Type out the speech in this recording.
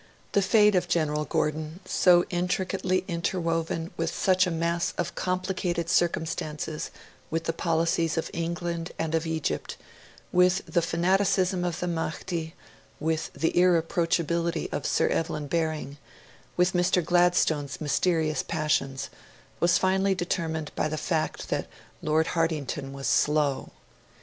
The fate of General Gordon, so intricately interwoven with such a mass of complicated circumstance with the policies of England and of Egypt, with the fanaticism of the Mahdi, with the irreproachability of Sir Evelyn Baring, with Mr. Gladstone's mysterious passions was finally determined by the fact that Lord Hartington was slow.